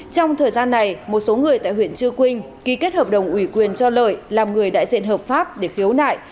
trong thời gian này một số người tại huyện chư quynh ký kết hợp đồng ủy quyền cho lợi làm người đại diện hợp pháp để phiếu nại